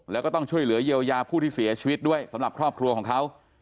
แล้วก็ต้องช่วยเหลือเยียวยาผู้ที่เสียชีวิตด้วยสำหรับครอบครัวของเขา